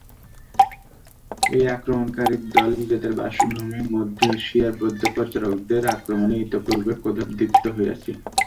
এই আক্রমণকারীর দল নিজেদের বাসভূমি মধ্য-এশিয়ায় বৌদ্ধ প্রচারকদের আক্রমণে ইতঃপূর্বে ক্রোধদীপ্ত হইয়াছিল।